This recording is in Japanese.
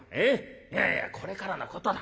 いやいやこれからのことだ。